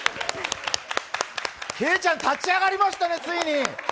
けいちゃん、立ち上がりましたね、ついに。